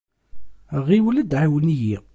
Ɣiwel-d ɛiwen-iyi!